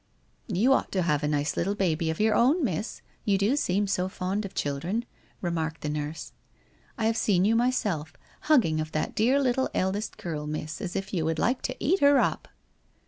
' You ought to have a nice little baby of your own, miss, you do seem so fond of children,' remarked the nurse. * I have seen you myself, hugging of that dear little eldest girl, miflfl, as if you would like to eat it up.'